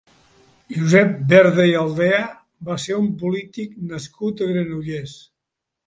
Josep Verde i Aldea va ser un polític nascut a Granollers.